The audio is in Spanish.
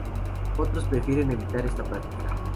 Otros prefieren evitar esa práctica.